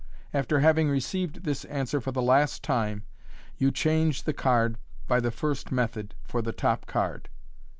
After having received this answer for the last time, you " change " the card by the first method (see page 28) for the top card.